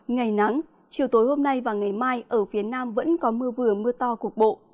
ngày nắng chiều tối hôm nay và ngày mai ở phía nam vẫn có mưa vừa mưa to cục bộ